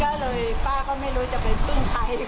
ก็เลยป้าเขาไม่รู้จะเป็นปื้นใคร